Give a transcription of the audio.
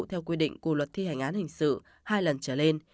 theo quy định của luật thi hành án hình sự hai lần trở lên